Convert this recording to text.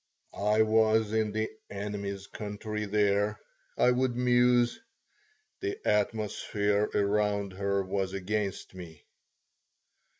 "I was in the 'enemy's country' there," I would muse. "The atmosphere around her was against me."